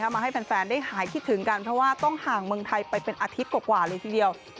มาให้แฟนได้หายคิดถึงกันเพราะว่าต้องห่างเมืองไทยไปเป็นอาทิตย์กว่าเลยทีเดียว